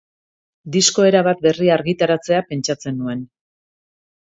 Disko erabat berria argitaratzea pentsatzen nuen.